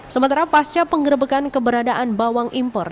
sementara pasca penggerbekan keberadaan bawang impor